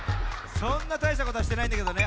そんなたいしたことはしてないんだけどね。